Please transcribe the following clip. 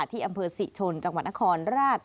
ที่อำเภอศรีชนจังหวัดนครราช